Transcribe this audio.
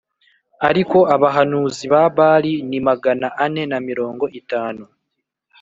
ariko abahanuzi ba Bāli ni magana ane na mirongo itanu